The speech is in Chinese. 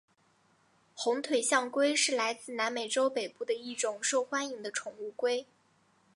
红腿象龟是来自南美洲北部的一种受欢迎的宠物龟。